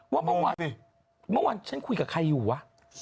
ว่าเมื่อวันฉันคุยกับใครอยู่วะ